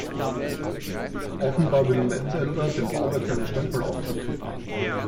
Offenbar will Metzelder dem Bauwerk seinen Stempel aufdrücken.